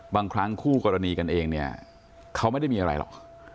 บางครั้งคู่กรณีกันเองเนี่ยเขาไม่ได้มีอะไรหรอก